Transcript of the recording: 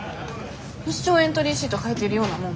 一生エントリーシート書いてるようなもん。